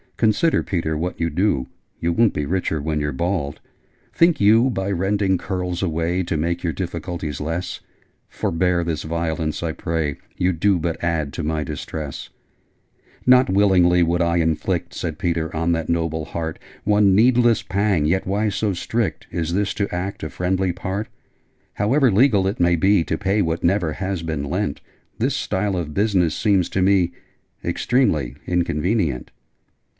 Consider, Peter, what you do! You won't be richer when you're bald! Think you, by rending curls away, To make your difficulties less? Forbear this violence, I pray: You do but add to my distress!' {Image...'Poor peter shuddered in despair'} 'Not willingly would I inflict,' Said Peter, 'on that noble heart One needless pang. Yet why so strict? Is this to act a friendly part? However legal it may be To pay what never has been lent, This style of business seems to me Extremely inconvenient!